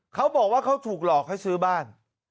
เขาบอกว่าเขาถูกหลอกให้ซื้อบ้าน